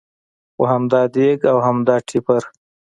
خو همدا دېګ او همدا ټېپر.